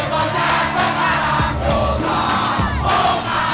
kami sangat dikawalkan